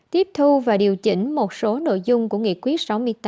tiếp thu và điều chỉnh một số nội dung của nghị quyết sáu mươi tám